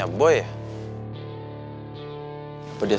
gak ada temennya